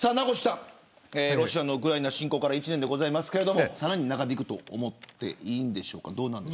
ロシアのウクライナ侵攻から１年ですがさらに長引くと思っていいですか。